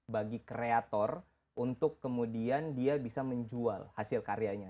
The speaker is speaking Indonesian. bagi kreator untuk kemudian dia bisa menjual hasil karyanya